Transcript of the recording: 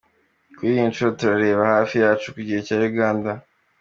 Kuri iyi nshuro turareba hafi yacu, ku gihugu cya Uganda.